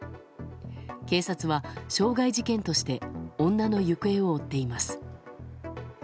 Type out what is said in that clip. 警察は傷害事件として女の行方を追っています。